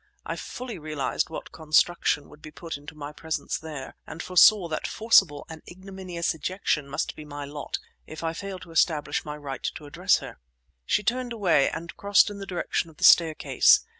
I fully realized what construction would be put upon my presence there, and foresaw that forcible and ignominious ejection must be my lot if I failed to establish my right to address her. She turned away, and crossed in the direction of the staircase.